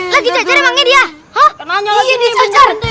lagi cacar emangnya dia